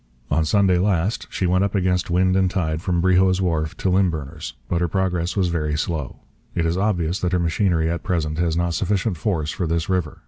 On Sunday last she went up against wind and tide from Brehault's wharf to Lymburner's; but her progress was very slow. It is obvious that her machinery, at present, has not sufficient force for this River.